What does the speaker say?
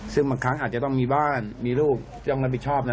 ซึ่งบางครั้งอาจจะต้องมีบ้านมีลูกต้องรับผิดชอบนะ